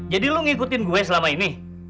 jadi lo ngikutin gue selama ini